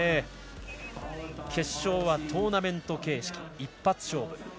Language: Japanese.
決勝はトーナメント形式一発勝負。